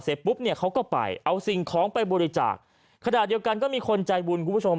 ปุ๊บเนี่ยเขาก็ไปเอาสิ่งของไปบริจาคขณะเดียวกันก็มีคนใจบุญคุณผู้ชม